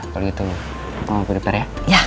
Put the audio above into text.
kalau gitu mama beri per ya